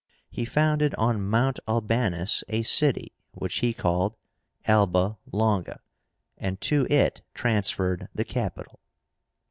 He founded on Mount Albánus a city, which he called ALBA LONGA, and to it transferred the capital.